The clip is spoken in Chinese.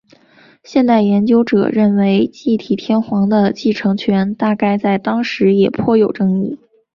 现代研究者认为继体天皇的继承权大概在当时也颇有争议。